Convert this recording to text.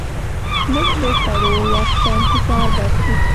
موږ د خوړو وخت ته انتظار باسو.